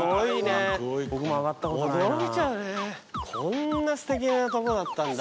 こんなすてきなところだったんだ。